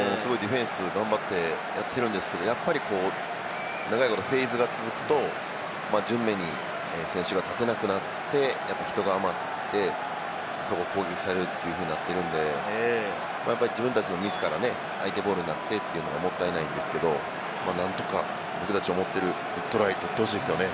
すごいディフェンス頑張ってやってるんですけれども、長いことフェーズが続くと、順目に選手が立てなくなって、人が余って攻撃されるというふうになっているんで、自分たちのミスから相手ボールになってというのがもったいないんですけれども、何とかチリ、トライを取ってほしいですよね。